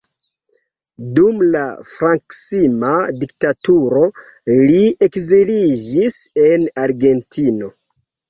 Dum la frankisma diktaturo li ekziliĝis en Argentino.